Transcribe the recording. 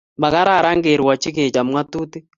Makararan kerwoji kechop Ngatutik